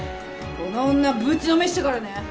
この女ぶちのめしてからね。